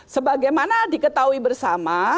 sebagaimana diketahui bersama